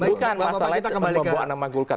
bukan masalahnya pembahasan sama kulkar